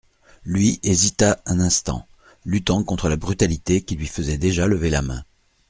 Lui, hésita un instant, luttant contre la brutalité qui lui faisait déjà lever la main.